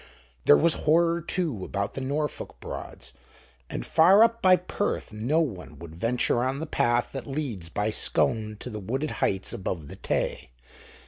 There was horror, too, about the Norfolk Broads, and far up by Perth no one would venture on the path that leads by Scone to the wooded heights above the Tay.